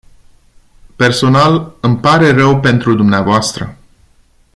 Personal, îmi pare rău pentru dumneavoastră.